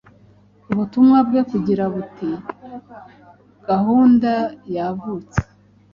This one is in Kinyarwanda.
ubutumwa bwe bugira buti gahunda yavutse,